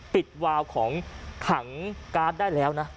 วาวของถังการ์ดได้แล้วนะ